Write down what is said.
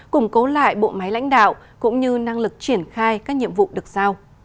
củng cố lại bộ máy lãnh đạo cũng như năng lực triển khai các nhiệm vụ được sao